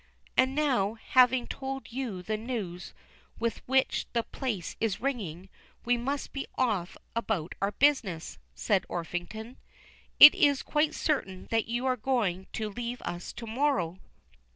"And now, having told you the news with which the place is ringing, we must be off about our business," said Orpington. "Is it quite certain that you are going to leave us to morrow?"